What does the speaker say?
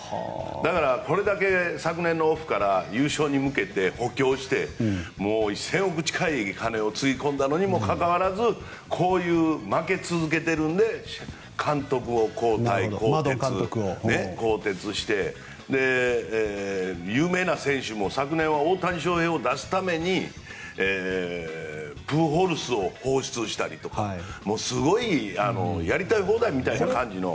だから、これだけ昨年のオフから優勝に向けて補強して１０００億近い金をつぎ込んだにもかかわらずこういう負け続けているので監督を交代、更迭して有名な選手も昨年は大谷翔平を出すためにプホルスを放出したりとかすごいやりたい放題みたいな感じの。